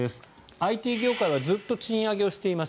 ＩＴ業界はずっと賃上げをしています。